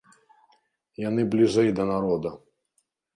Яны бліжэй да народа.